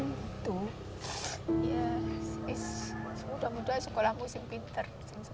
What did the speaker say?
itu mudah mudahan sekolah saya pintar